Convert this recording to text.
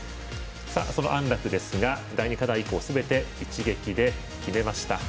その安楽ですが第２課題以降すべて一撃で決めました。